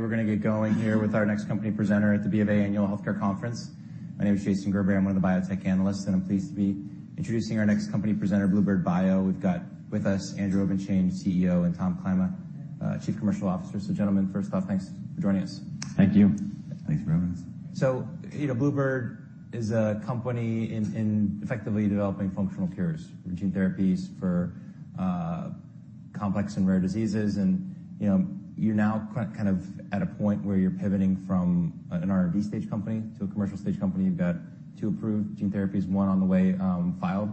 We're gonna get going here with our next company presenter at the BofA Annual Healthcare Conference. My name is Jason Gerberry. I'm one of the biotech analysts, and I'm pleased to be introducing our next company presenter, bluebird bio. We've got with us Andrew Obenshain, CEO, and Tom Klima, Chief Commercial Officer. Gentlemen, first off, thanks for joining us. Thank you. Thanks for having us. you know, bluebird bio is a company in effectively developing functional cures, routine therapies for complex and rare diseases. you know, you're now kind of at a point where you're pivoting from an R&D stage company to a commercial stage company. You've got two approved gene therapies, one on the way, filed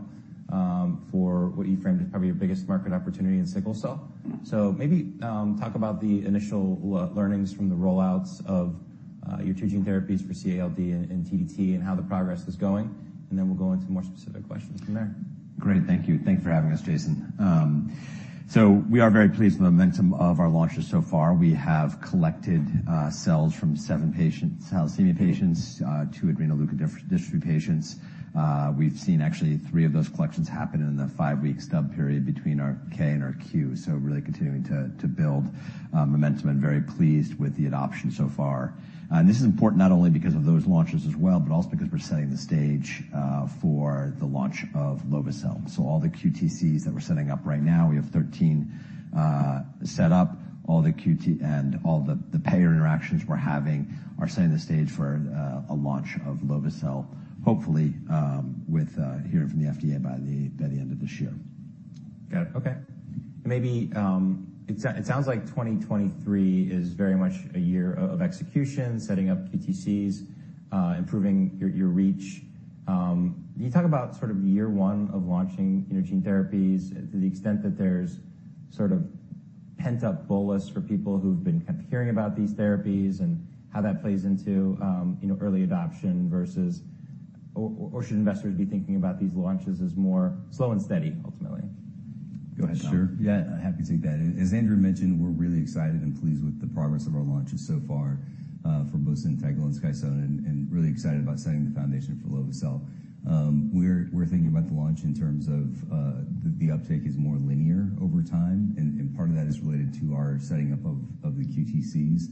for what you framed as probably your biggest market opportunity in sickle cell. maybe talk about the initial learnings from the rollouts of your two gene therapies for CALD and TDT and how the progress is going. Then we'll go into more specific questions from there. Great. Thank you. Thanks for having us, Jason. We are very pleased with the momentum of our launches so far. We have collected cells from 7 patients, thalassemia patients, 2 adrenoleukodystrophy patients. We've seen actually 3 of those collections happen in the 5-week stub period between our K and our Q. Really continuing to build momentum and very pleased with the adoption so far. This is important not only because of those launches as well, but also because we're setting the stage for the launch of lovo-cel. All the QTCs that we're setting up right now, we have 13 set up. All the QT-- and all the payer interactions we're having are setting the stage for a launch of lovo-cel, hopefully, with hearing from the FDA by the end of this year. Got it. Okay. Maybe it sounds like 2023 is very much a year of execution, setting up QTCs, improving your reach. Can you talk about sort of year one of launching, you know, gene therapies to the extent that there's sort of pent-up bolus for people who've been kind of hearing about these therapies and how that plays into, you know, early adoption versus. Should investors be thinking about these launches as more slow and steady ultimately? Go ahead, Tom. Sure. Yeah, happy to take that. As Andrew mentioned, we're really excited and pleased with the progress of our launches so far, for both ZYNTEGLO and SKYSONA, and really excited about setting the foundation for lovo-cel. We're thinking about the launch in terms of the uptake is more linear over time, and part of that is related to our setting up of the QTCs.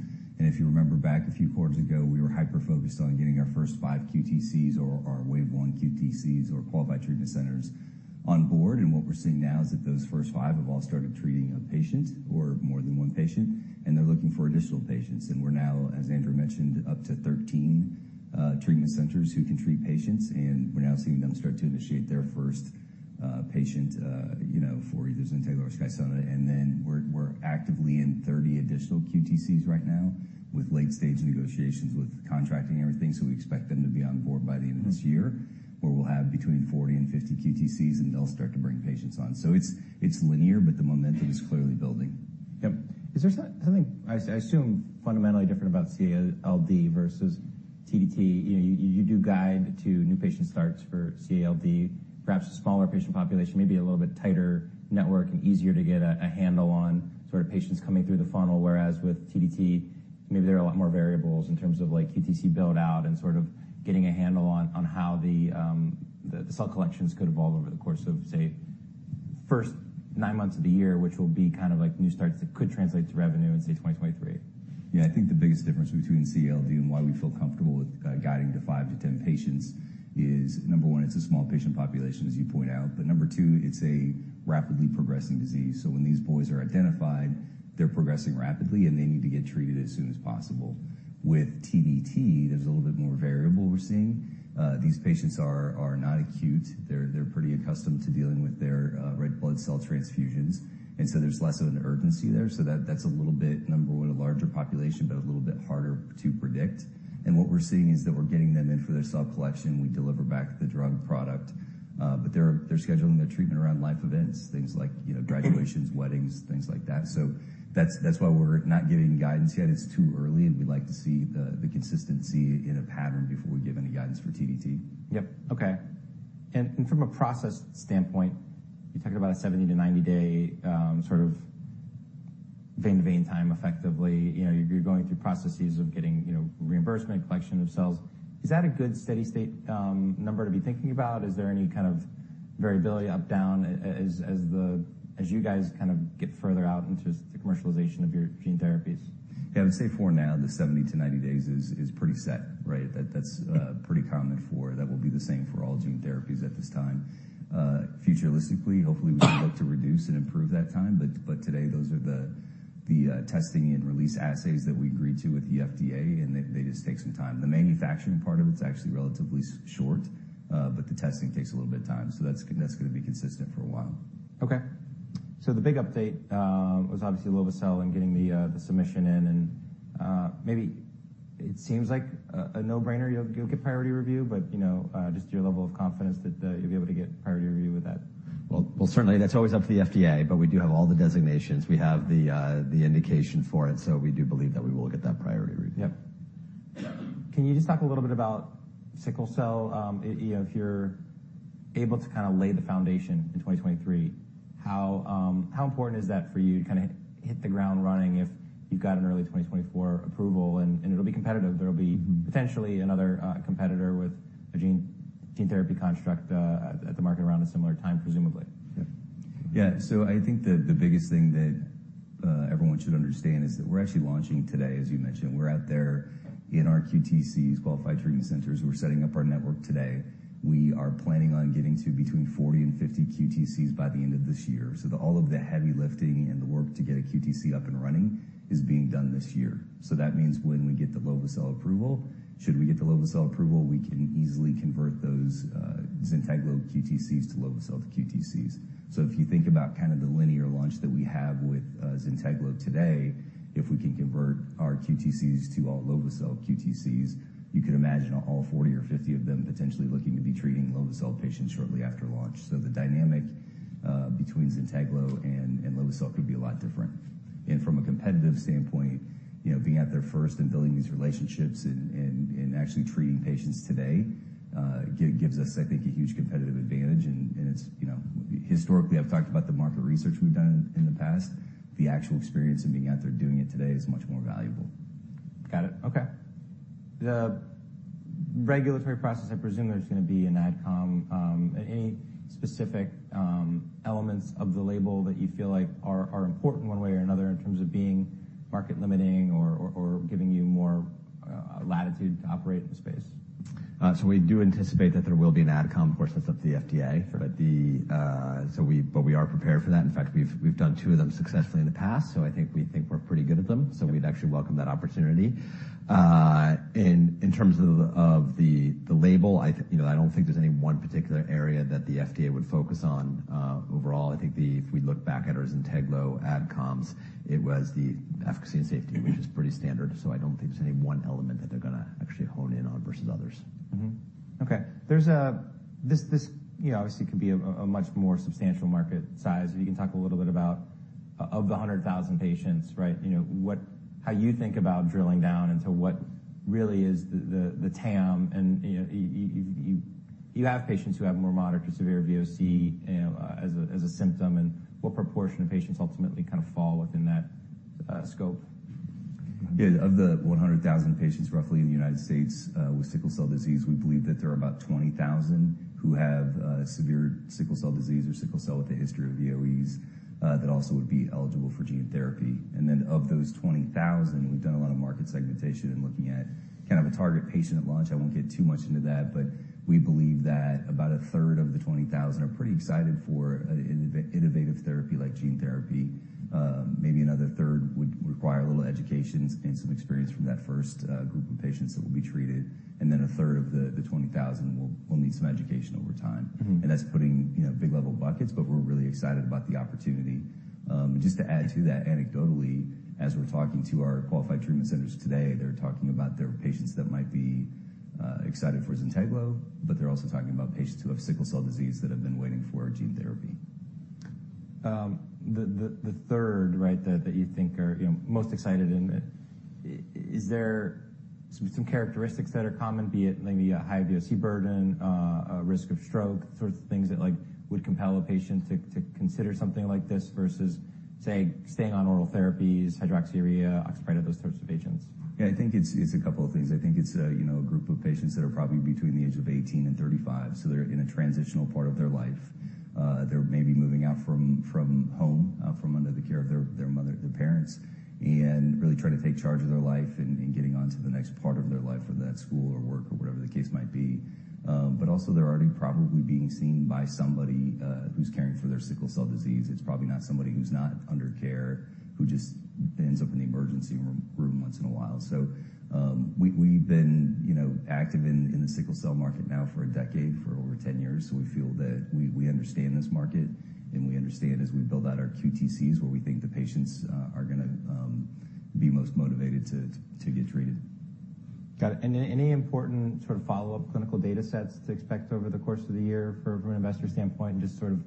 If you remember back a few quarters ago, we were hyper-focused on getting our first 5 QTCs or our wave one QTCs or Qualified Treatment Centers on board. What we're seeing now is that those first 5 have all started treating a patient or more than 1 patient, and they're looking for additional patients. We're now, as Andrew mentioned, up to 13 treatment centers who can treat patients, and we're now seeing them start to initiate their first patient, you know, for either ZYNTEGLO or SKYSONA. Then we're actively in 30 additional QTCs right now with late-stage negotiations with contracting and everything. We expect them to be on board by the end of this year, where we'll have between 40 and 50 QTCs, and they'll start to bring patients on. It's, it's linear, but the momentum is clearly building. Yep. Is there something I assume fundamentally different about CALD versus TDT? You know, you do guide to new patient starts for CALD, perhaps a smaller patient population, maybe a little bit tighter network and easier to get a handle on sort of patients coming through the funnel. Whereas with TDT, maybe there are a lot more variables in terms of like QTC build out and sort of getting a handle on how the cell collections could evolve over the course of, say, first nine months of the year, which will be kind of like new starts that could translate to revenue in, say, 2023. Yeah. I think the biggest difference between CALD and why we feel comfortable with guiding to 5-10 patients is, number one, it's a small patient population, as you point out. Number two, it's a rapidly progressing disease. When these boys are identified, they're progressing rapidly, and they need to get treated as soon as possible. With TDT, there's a little bit more variable we're seeing. These patients are not acute. They're pretty accustomed to dealing with their red blood cell transfusions, there's less of an urgency there. That's a little bit, number one, a larger population, a little bit harder to predict. What we're seeing is that we're getting them in for their cell collection. We deliver back the drug product, but they're scheduling their treatment around life events, things like, you know, graduations, weddings, things like that. That's why we're not giving guidance yet. It's too early, and we'd like to see the consistency in a pattern before we give any guidance for TDT. Yep. Okay. From a process standpoint, you talk about a 70-90 day, sort of vein-to-vein time, effectively. You know, you're going through processes of getting, you know, reimbursement, collection of cells. Is that a good steady-state number to be thinking about? Is there any kind of variability up/down as you guys kind of get further out into the commercialization of your gene therapies? Yeah, I would say for now, the 70-90 days is pretty set, right? That's pretty common. That will be the same for all gene therapies at this time. Futuristically, hopefully, we can look to reduce and improve that time. Today, those are the testing and release assays that we agreed to with the FDA, and they just take some time. The manufacturing part of it's actually relatively short, but the testing takes a little bit of time. That's gonna be consistent for a while. The big update was obviously lovo-cel and getting the submission in. Maybe it seems like a no-brainer you'll get priority review, but, you know, just your level of confidence that you'll be able to get priority review with that? Well certainly that's always up to the FDA. We do have all the designations. We have the indication for it. We do believe that we will get that priority review. Yep. Can you just talk a little bit about sickle cell? You know, if you're able to kind of lay the foundation in 2023, how important is that for you to kind of hit the ground running if you've got an early 2024 approval? It'll be competitive. There'll be potentially another competitor with a gene therapy construct at the market around a similar time, presumably. Yeah. I think the biggest thing that everyone should understand is that we're actually launching today, as you mentioned. We're out there in our QTCs, Qualified Treatment Centers. We're setting up our network today. We are planning on getting to between 40 and 50 QTCs by the end of this year. All of the heavy lifting and the work to get a QTC up and running is being done this year. That means when we get the lovo-cel approval, should we get the lovo-cel approval, we can easily convert those ZYNTEGLO QTCs to lovo-cel QTCs. If you think about kind of the linear launch that we have with ZYNTEGLO today, if we can convert our QTCs to all lovo-cel QTCs, you could imagine all 40 or 50 of them potentially looking to be treating lovo-cel patients shortly after launch. The dynamic between Zynteglo and lovo-cel could be a lot different. From a competitive standpoint, you know, being out there first and building these relationships and actually treating patients today, gives us, I think, a huge competitive advantage. It's, you know, historically, I've talked about the market research we've done in the past. The actual experience and being out there doing it today is much more valuable. Got it. Okay. The regulatory process, I presume there's gonna be an AdCom. any specific elements of the label that you feel like are important one way or another in terms of being market limiting or giving you more latitude to operate in the space? We do anticipate that there will be an AdCom. Of course, that's up to the FDA. Sure. We are prepared for that. In fact, we've done 2 of them successfully in the past, I think we think we're pretty good at them. Yeah. We'd actually welcome that opportunity. in terms of the label, I, you know, I don't think there's any one particular area that the FDA would focus on. Overall, I think if we look back at our ZYNTEGLO AdComs, it was the efficacy and safety, which is pretty standard. I don't think there's any one element that they're gonna actually hone in on versus others. Mm-hmm. Okay. There's this, you know, obviously could be a much more substantial market size. If you can talk a little bit about of the 100,000 patients, right, you know, how you think about drilling down into what really is the TAM and, you know, you have patients who have more moderate to severe VOC, you know, as a symptom, and what proportion of patients ultimately kind of fall within that scope? Of the 100,000 patients roughly in the United States, with sickle cell disease, we believe that there are about 20,000 who have severe sickle cell disease or sickle cell with a history of VOEs, that also would be eligible for gene therapy. Of those 20,000, we've done a lot of market segmentation and looking at kind of a target patient at launch. I won't get too much into that, but we believe that about a third of the 20,000 are pretty excited for an innovative therapy like gene therapy. Maybe another third would require a little education and some experience from that first group of patients that will be treated. A third of the 20,000 will need some education over time. Mm-hmm. That's putting, you know, big level buckets, but we're really excited about the opportunity. Just to add to that anecdotally, as we're talking to our Qualified Treatment Centers today, they're talking about their patients that might be excited for ZYNTEGLO, but they're also talking about patients who have sickle cell disease that have been waiting for gene therapy. The third, right, that you think are, you know, most excited and, is there some characteristics that are common, be it maybe a high VOC burden, a risk of stroke, sorts of things that, like, would compel a patient to consider something like this versus, say, staying on oral therapies, hydroxyurea, Oxbryta, those types of agents? Yeah. I think it's a couple of things. I think it's a, you know, a group of patients that are probably between the age of 18 and 35, so they're in a transitional part of their life. They're maybe moving out from home, out from under the care of their mother, their parents, and really trying to take charge of their life and getting on to the next part of their life, whether that's school or work or whatever the case might be. Also they're already probably being seen by somebody who's caring for their sickle cell disease. It's probably not somebody who's not under care who just ends up in the emergency room once in a while. We've been, you know, active in the sickle cell market now for a decade, for over 10 years, so we feel that we understand this market, and we understand as we build out our QTCs, where we think the patients are gonna be most motivated to get treated. Got it. Any important sort of follow-up clinical data sets to expect over the course of the year from an investor standpoint, and just sort of,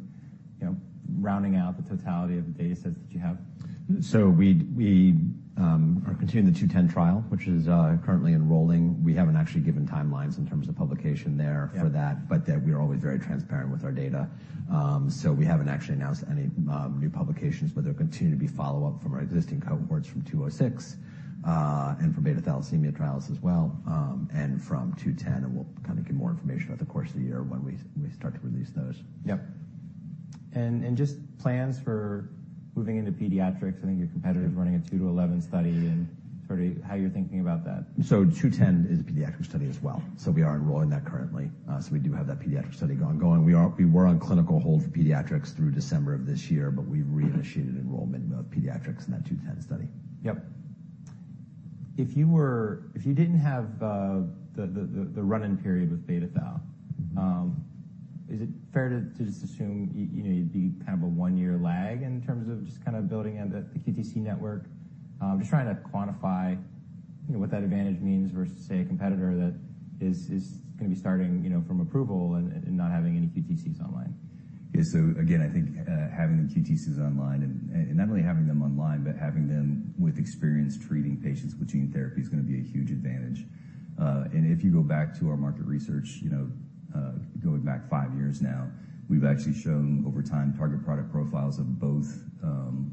you know, rounding out the totality of the data sets that you have? We are continuing the HGB-210 trial, which is currently enrolling. We haven't actually given timelines in terms of publication there. Yeah. for that we are always very transparent with our data. We haven't actually announced any new publications, but there continue to be follow-up from our existing cohorts from HGB-206 and from beta thalassemia trials as well, and from HGB-210, and we'll kind of give more information over the course of the year when we start to release those. Yep. And just plans for moving into pediatrics. I think your competitor's running a 2-11 study and sort of how you're thinking about that. HGB-210 is a pediatric study as well, so we are enrolling that currently. We do have that pediatric study going. We were on clinical hold for pediatrics through December of this year, but we've reinitiated enrollment of pediatrics in that HGB-210 study. Yep. If you didn't have, the run-in period with Beta Thal- Mm-hmm. Is it fair to just assume you know, you'd be kind of a one-year lag in terms of just kind of building out the QTC network? Just trying to quantify, you know, what that advantage means versus, say, a competitor that is gonna be starting, you know, from approval and not having any QTCs online. Again, I think having the QTCs online and not only having them online, but having them with experience treating patients with gene therapy is gonna be a huge advantage. If you go back to our market research, you know, going back 5 years now, we've actually shown over time Target Product Profile of both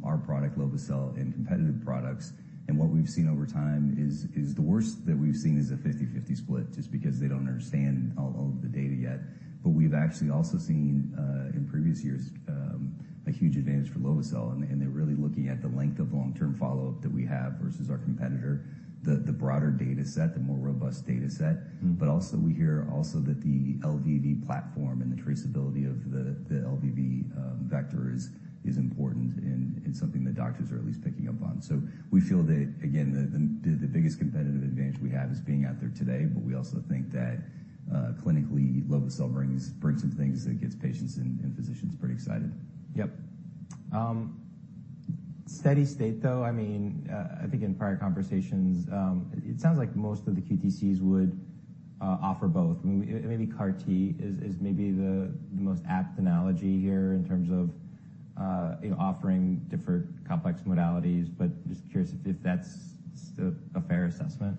our product, lovo-cel, and competitive products. What we've seen over time is The worst that we've seen is a 50/50 split just because they don't understand all of the data yet. We've actually also seen in previous years a huge advantage for lovo-cel, and they're really looking at the length of long-term follow-up that we have versus our competitor, the broader data set, the more robust data set. Mm-hmm. Also we hear that the LVV platform and the traceability of the LVV vector is important and is something that doctors are at least picking up on. We feel that again, the biggest competitive advantage we have is being out there today. We also think that clinically lovo-cel brings some things that gets patients and physicians pretty excited. Yep. Steady state though, I mean, I think in prior conversations, it sounds like most of the QTCs would offer both. I mean, maybe CAR T is the most apt analogy here in terms of, you know, offering different complex modalities, but just curious if that's a fair assessment.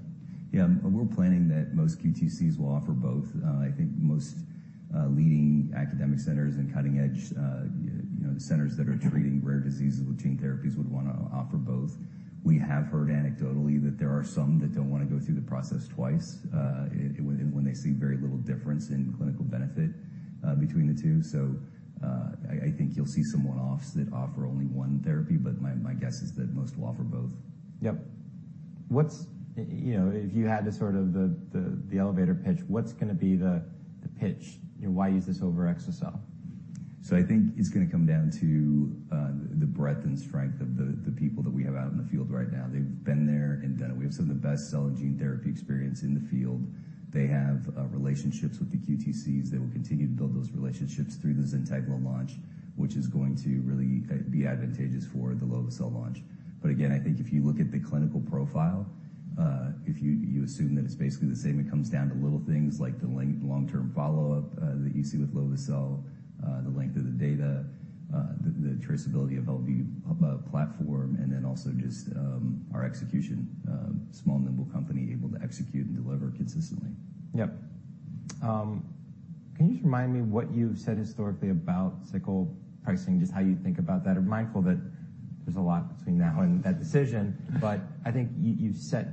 We're planning that most QTCs will offer both. I think most leading academic centers and cutting-edge, you know, centers that are treating rare diseases with gene therapies would wanna offer both. We have heard anecdotally that there are some that don't wanna go through the process twice, when they see very little difference in clinical benefit, between the two. I think you'll see some one-offs that offer only one therapy, but my guess is that most will offer both. Yep. You know, if you had to sort of the elevator pitch, what's gonna be the pitch? You know, why use this over exa-cel? I think it's gonna come down to the breadth and strength of the people that we have out in the field right now. They've been there and done it. We have some of the best cell and gene therapy experience in the field. They have relationships with the QTCs. They will continue to build those relationships through the ZYNTEGLO launch, which is going to really be advantageous for the lovo-cel launch. Again, I think if you look at the clinical profile, if you assume that it's basically the same, it comes down to little things like the long-term follow-up that you see with lovo-cel, the length of the data, the traceability of LV platform, and then also just our execution. Small, nimble company able to execute and deliver consistently. Yep. Can you just remind me what you've said historically about sickle pricing, just how you think about that? I'm mindful that there's a lot between now and that decision, but I think you've set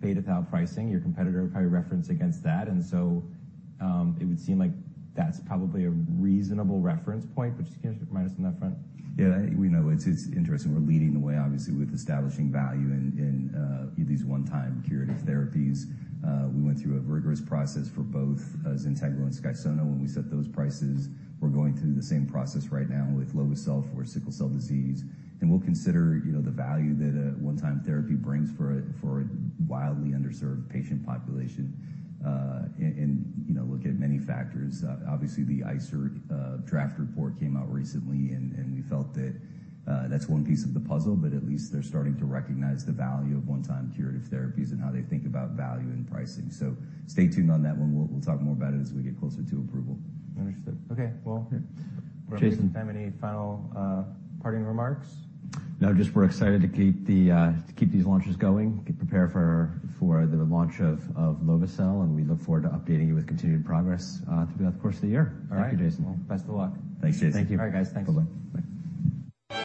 beta-thal pricing. Your competitor will probably reference against that, it would seem like that's probably a reasonable reference point. Just can you just remind us on that front? Yeah. We know it's interesting. We're leading the way obviously with establishing value in these one-time curative therapies. We went through a rigorous process for both ZYNTEGLO and SKYSONA when we set those prices. We're going through the same process right now with lovo-cel for sickle cell disease. We'll consider, you know, the value that a one-time therapy brings for a, for a wildly underserved patient population. You know, look at many factors. Obviously the ICER draft report came out recently and we felt that that's one piece of the puzzle, but at least they're starting to recognize the value of one-time curative therapies and how they think about value and pricing. Stay tuned on that one. We'll talk more about it as we get closer to approval. Understood. Okay. Well- Yeah. Jason. Have any final parting remarks? No, just we're excited to keep these launches going, prepare for the launch of lovo-cel, and we look forward to updating you with continued progress throughout the course of the year. All right. Thank you, Jason. Well, best of luck. Thanks, Jason. Thank you. All right, guys. Thanks. Bye-bye. Bye.